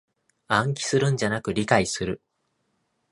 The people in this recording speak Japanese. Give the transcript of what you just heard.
暗記するんじゃなく理解する